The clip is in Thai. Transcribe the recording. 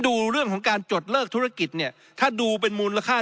ดูเรื่องของการจดเลิกธุรกิจเนี่ยถ้าดูเป็นมูลค่า